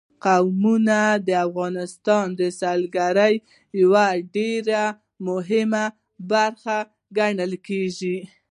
قومونه د افغانستان د سیلګرۍ یوه ډېره مهمه برخه ګڼل کېږي.